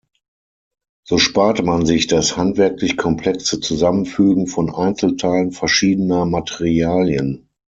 So sparte man sich das handwerklich komplexe Zusammenfügen von Einzelteilen verschiedener Materialien.